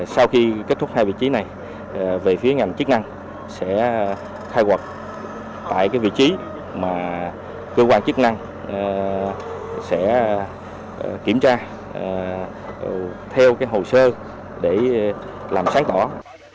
sau khi kết thúc hai vị trí này về phía ngành chức năng sẽ khai quật tại vị trí mà cơ quan chức năng sẽ kiểm tra theo hồ sơ để làm sáng tỏ